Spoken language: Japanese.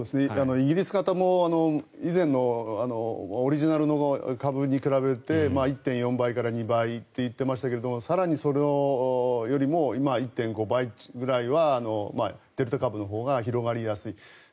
イギリス型も以前のオリジナルの株に比べて１．４倍から１．２倍といっていましたが更にそれよりも今１．５倍ぐらいはデルタ株のほうが広がりやすい。